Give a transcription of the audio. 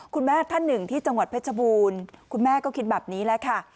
คุณแม่ท่านหนึ่งที่จังหวัดเพชรบูรณ์คุณแม่ก็คิดแบบนี้แหละค่ะ